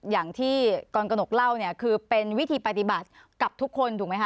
อย่างที่กรกนกเล่าเนี่ยคือเป็นวิธีปฏิบัติกับทุกคนถูกไหมค